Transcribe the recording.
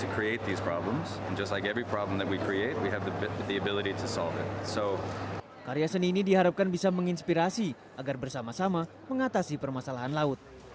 karya seni ini diharapkan bisa menginspirasi agar bersama sama mengatasi permasalahan laut